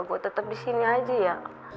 gue tetep disini aja ya